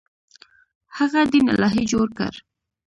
هغه دین الهي جوړ کړ.